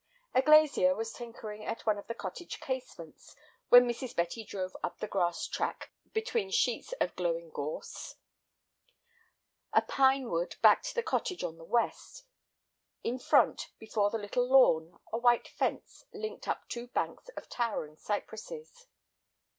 A glazier was tinkering at one of the cottage casements when Mrs. Betty drove up the grass track between sheets of glowing gorse. A pine wood backed the cottage on the west; in front, before the little lawn, a white fence linked up two banks of towering cypresses.